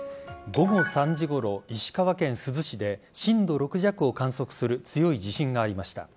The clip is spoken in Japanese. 午後３時ごろ石川県珠洲市で震度６弱を観測する強い地震がありました。